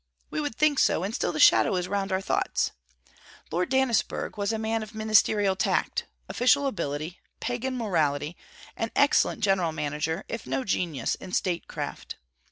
We would think so, and still the shadow is round our thoughts. Lord Dannisburgh was a man of ministerial tact, official ability, Pagan morality; an excellent general manager, if no genius in statecraft.